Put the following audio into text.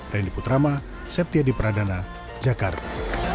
randy putrama septiadi pradana jakarta